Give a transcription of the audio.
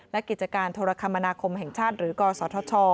และกิจการโทรคมนาคมแห่งชาติหรือกศธช